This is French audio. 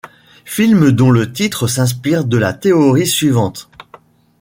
Film dont le titre s'inspire de la théorie suivante.